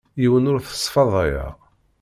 Yiwen ur t-sfadayeɣ.